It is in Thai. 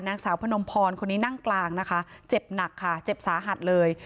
นางสาวพนมพรคนนี้นั่งกลางนะคะเจ็บหนักค่ะเจ็บสาหัสเลย